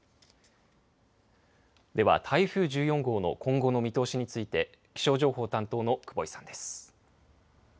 では、台風１４号の今後の見通しについて気象情報担当の久保井さんです。